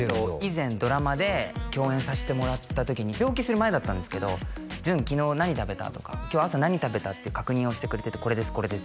以前ドラマで共演させてもらった時に病気する前だったんですけど「淳昨日何食べた？」とか「今日朝何食べた？」って確認をしてくれてて「これですこれです」